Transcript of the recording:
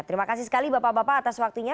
terima kasih sekali bapak bapak atas waktunya